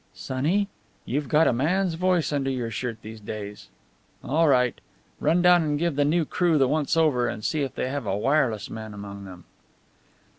"Sonny, you've got a man's voice under your shirt these days. All right. Run down and give the new crew the once over, and see if they have a wireless man among them."